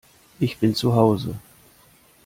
Ich bin zu Hause